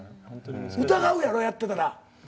疑うやろやってたら自分を。